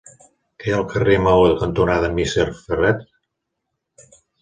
Què hi ha al carrer Maó cantonada Misser Ferrer?